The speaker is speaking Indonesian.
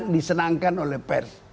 disenangkan oleh pers